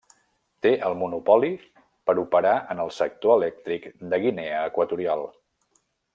Té el monopoli per operar en el sector elèctric de Guinea Equatorial.